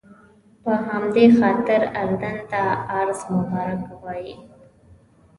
په همدې خاطر اردن ته ارض مبارکه وایي.